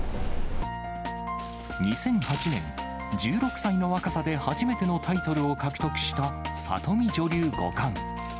２００８年、１６歳の若さで初めてのタイトルを獲得した里見女流五冠。